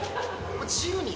自由に。